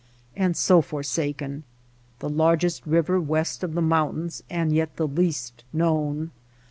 And so forsaken ! The largest river west of the mountains and yet the least known.